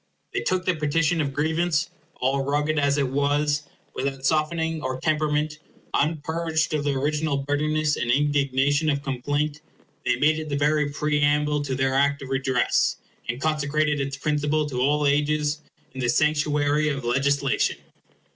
—They took the petition of grievance, all rugged as it was, without softening or temperament, unpurged of the original bitterness and indignation of complaint—they made it the very preamble to their Act of redress, and consecrated its principle to all ages in the sanctuary of legislation.